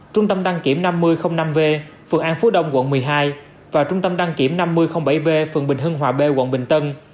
trung tâm đăng kiểm năm v phường an phú đông quận một mươi hai và trung tâm đăng kiểm năm mươi bảy v phường bình hưng hòa b quận bình tân